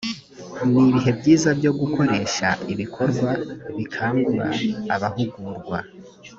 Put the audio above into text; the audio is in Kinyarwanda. ni ibihe byiza byo gukoresha ibikorwa bikangura abahugurwa